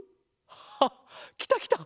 あっきたきた！